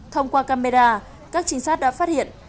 thông qua camera các chính sát đã phát hiện